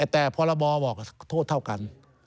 แต่พรบบอกโทษเท่ากัน